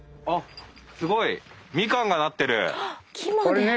すごい！みかんがなってる。